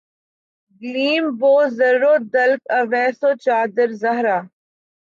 Gleam بو ذر و دلق اویس و چادر زہرا